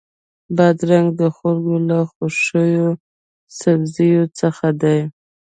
بادرنګ د خلکو له خوښو سبزیو څخه دی.